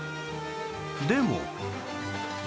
でも